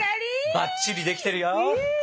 ばっちりできてるよ！